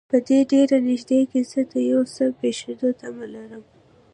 په دې ډېر نږدې کې زه د یو څه پېښېدو تمه لرم.